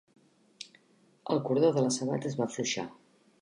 El cordó de la sabata es va afluixar.